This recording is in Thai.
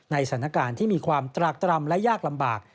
สถานการณ์ที่มีความตรากตรำและยากลำบาก